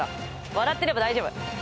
笑ってれば大丈夫。